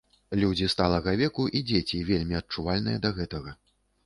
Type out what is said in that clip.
Людзі сталага веку і дзеці вельмі адчувальныя да гэтага.